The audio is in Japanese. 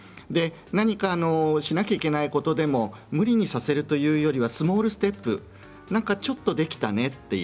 何かしなきゃいけないことでも無理にさせるというよりはスモールステップちょっとできたね